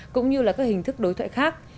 cũng như là các hình thức đối thoại khác